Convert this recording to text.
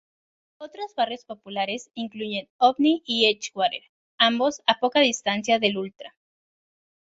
Otros barrios populares incluyen a Omni y Edgewater, ambos a poca distancia del Ultra.